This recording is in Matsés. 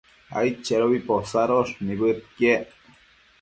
aidchedobi posadosh nibëdquiec